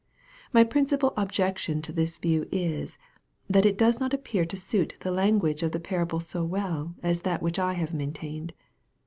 My prin cipal objection to this view is, that it does not appear to suit the lan guage of the parable so well as that which I have maintained.